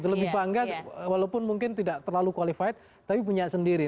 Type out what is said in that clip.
lebih bangga walaupun mungkin tidak terlalu qualified tapi punya sendiri